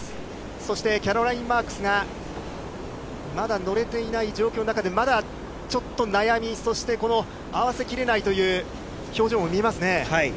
そしてキャロライン・マークスがまだ乗れていない状況の中で、まだちょっと悩み、そしてこの合わせきれないという表情も見えますね。